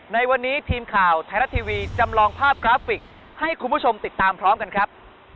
ในวันนี้ทีมข่าวไทยรัฐทีวีจำลองภาพกราฟิกให้คุณผู้ชมติดตามพร้อมกันครับ